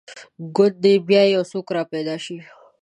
ګوندې بیا یو څوک را پیدا شي.